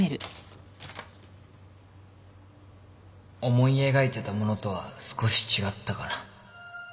思い描いてたものとは少し違ったかな